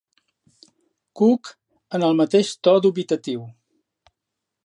Cook en el mateix to dubitatiu.